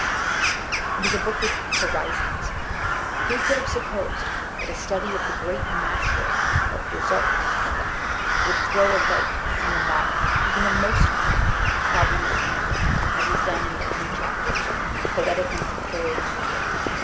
It is a book with "horizons". Who could have supposed that a study of the great master of the "Zopf * epoch would throw a light on the modern even the most modern problems of music, as is clone in the three chapters "Poetic and Pictorial Music.'